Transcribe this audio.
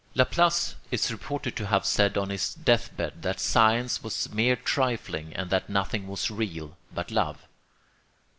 Laplace is reported to have said on his death bed that science was mere trifling and that nothing was real but love.